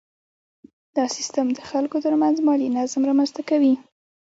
دا سیستم د خلکو ترمنځ مالي نظم رامنځته کوي.